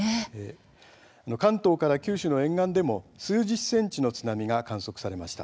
関東から九州の沿岸でも数十ｃｍの津波が観測されました。